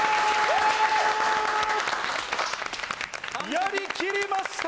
やりきりました！